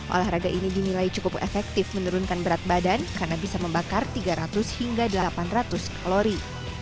olahraga ini dinilai cukup efektif menurunkan berat badan karena bisa membakar tiga ratus hingga delapan ratus kalori